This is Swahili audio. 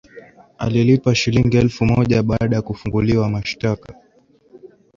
Alilipa Shilingi Elfu moja baada ya kufunguliwa mashtaka